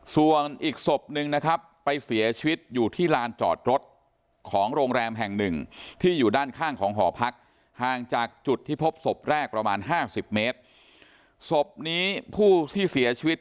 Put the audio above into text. ที่พบศพแรกประมาณห้าสิบเมตรศพนี้ผู้ที่เสียชีวิต